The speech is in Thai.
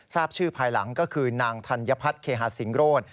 ทราบชื่อภายหลังก็คือนางธัญพัฒน์เคหาสิงโรธ